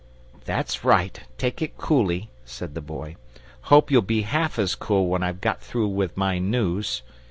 "That's right, take it coolly," said the Boy. "Hope you'll be half as cool when I've got through with my news.